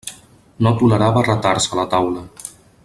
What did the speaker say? No tolerava retards a la taula.